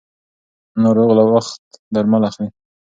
ناروغان له وخته درمل اخلي.